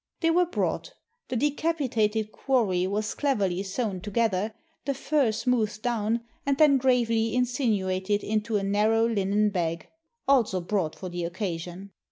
They were brought. The decapitated quarry was cleverly sewn together, the fur smoothed down, and then gravely insinuated into a narrow linen bag, also brought for the occasion.